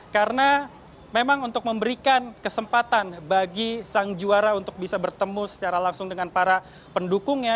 karena memang untuk memberikan kesempatan bagi sang juara untuk bisa bertemu secara langsung dengan para pendukungnya